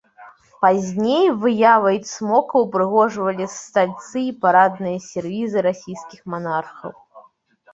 Пазней выявай цмока ўпрыгожвалі стальцы і парадныя сервізы расійскіх манархаў.